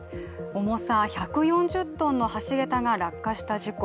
重さ１４０ｔの橋桁が落下した事故。